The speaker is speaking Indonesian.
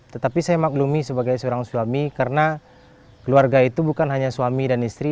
tetapi saya maklumi sebagai seorang suami karena keluarga itu bukan hanya suami dan istri